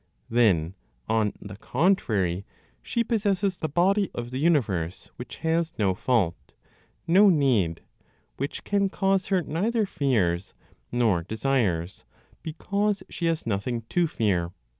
Then, on the contrary, she possesses the body of the universe, which has no fault, no need, which can cause her neither fears nor desires, because she has nothing to fear.